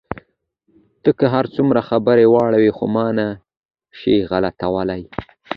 ته که هر څومره خبره واړوې، خو ما نه شې غلتولای.